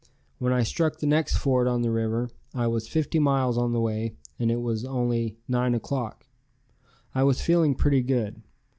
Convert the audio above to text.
When I struck the next ford on the river I was fifty miles on the way and it was only 9 o'clock. I was feeling pretty good.